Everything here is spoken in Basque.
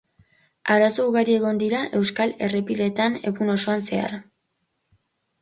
Arazo ugari egon dira euskal errepideetan egun osoan zehar.